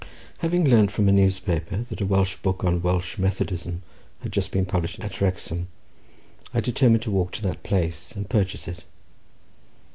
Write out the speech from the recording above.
Having learnt from a newspaper that a Welsh book on Welsh Methodism had been just published at Wrexham, I determined to walk to that place and purchase it.